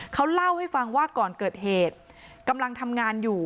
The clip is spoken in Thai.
เขาเล่าให้ฟังว่าก่อนเกิดเหตุกำลังทำงานอยู่